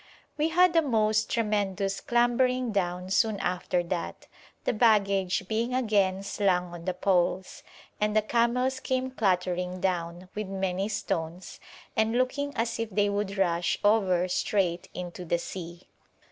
We had the most tremendous clambering down soon after that, the baggage being again slung on the poles, and the camels came clattering down, with many stones, and looking as if they would rush over straight into the sea.